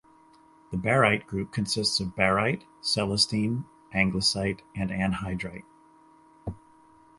The "baryte group" consists of baryte, celestine, anglesite and anhydrite.